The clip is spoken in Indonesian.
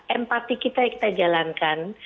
empati kita yang kita jalankan